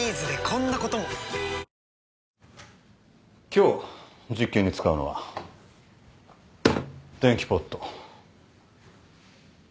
今日実験に使うのは電気ポット。